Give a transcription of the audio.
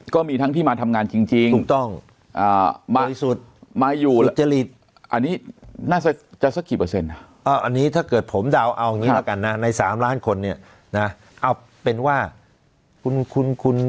ก็มีทั้งที่มาทำงานจริงจริงถูกต้องโยยศุทธ์อีจรีจมาอยู่อันนี้น่าจะสักกี่เปอร์เซ็นต์